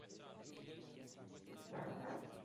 Es un cuerpo añadido que se corresponde con unos aseos.